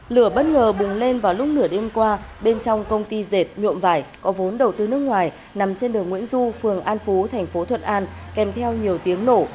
lửa bất ngờ bùng lên vào lúc nửa đêm qua bên trong công ty dệt nhuộm vải có vốn đầu tư nước ngoài nằm trên đường nguyễn du phường an phú thành phố thuận an kèm theo nhiều tiếng nổ